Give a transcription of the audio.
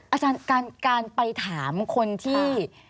อาจารย์การไปถามคนที่